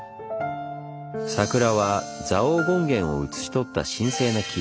桜は蔵王権現をうつし取った神聖な木。